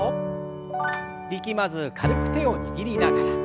力まず軽く手を握りながら。